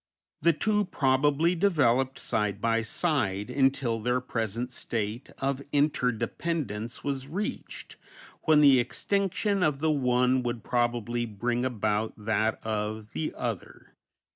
The two probably developed side by side until their present state of inter dependence was reached, when the extinction of the one would probably bring about that of the other.